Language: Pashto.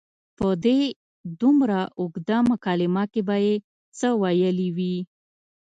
په دې دومره اوږده مکالمه کې به یې څه ویلي وي.